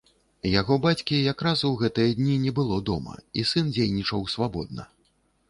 Яго бацькі якраз у гэтыя дні не было дома, і сын дзейнічаў свабодна.